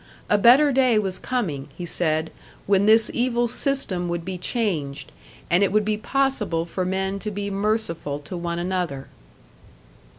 A better day was coming, he said, when this evil system would be changed, and it would be possible for men to be merciful to one another.